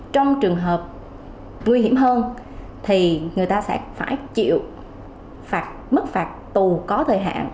trong trường hợp nguy hiểm hơn thì người ta sẽ phải chịu mức phạt tù có thời hạn